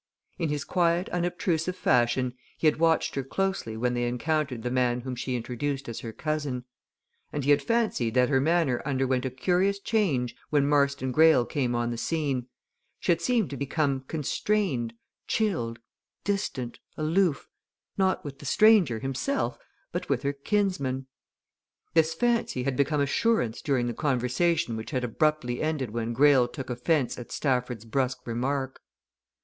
In his quiet unobtrusive fashion he had watched her closely when they encountered the man whom she introduced as her cousin; and he had fancied that her manner underwent a curious change when Marston Greyle came on the scene she had seemed to become constrained, chilled, distant, aloof not with the stranger, himself, but with her kinsman. This fancy had become assurance during the conversation which had abruptly ended when Greyle took offence at Stafford's brusque remark.